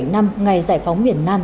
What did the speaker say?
bốn mươi bảy năm ngày giải phóng nguyễn nam